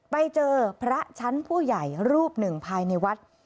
ไปเจอพระชั้นผู้ใหญ่รูปหนึ่งภายในวัด